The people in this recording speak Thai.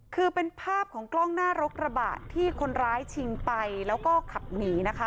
คือเป็นภาพของกล้องหน้ารกระบะที่คนร้ายชิงไปแล้วก็ขับหนีนะคะ